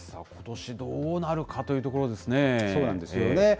ことし、どうなるかというところですね。